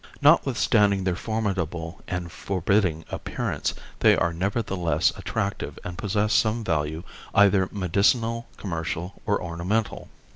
Notwithstanding their formidable and forbidding appearance they are nevertheless attractive and possess some value either medicinal, commercial or ornamental.